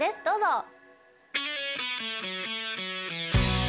どうぞ！